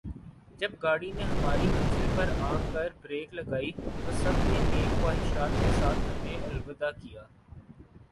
جب گاڑی نے ہماری منزل پر آ کر بریک لگائی تو سب نے نیک خواہشات کے ساتھ ہمیں الوداع کیا